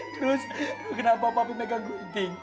terus kenapa papi megang gue ini